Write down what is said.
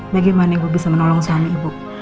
bagaimana ibu bisa menolong suami ibu